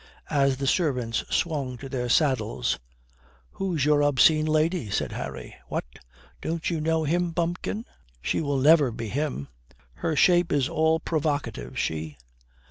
As the servants swung to their saddles, "Who's your obscene lady?" said Harry. "What, don't you know him, bumpkin?" "She will never be him. Her shape is all provocative she."